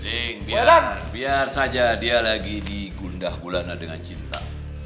ing biar saja dia lagi digundah gulana dengan cinta